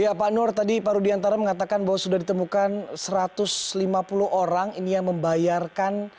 ya pak nur tadi pak rudiantara mengatakan bahwa sudah ditemukan satu ratus lima puluh orang ini yang membayarkan